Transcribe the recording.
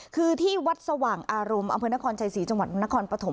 คือที่วัดสว่างอารมณ์อเมืองนครใจศรีจังหวัดอเมืองนครปฐม